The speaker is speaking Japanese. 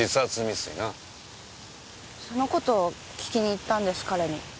その事訊きに行ったんです彼に。